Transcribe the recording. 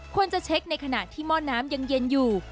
ควรจะเช็คในขณะที่หม้อน้ำยังเย็นอยู่